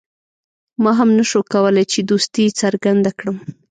ما هم نه شو کولای چې دوستي څرګنده کړم.